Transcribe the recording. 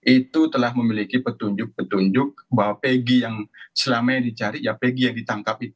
itu telah memiliki petunjuk petunjuk bahwa pegi yang selama ini dicari ya pegi yang ditangkap itu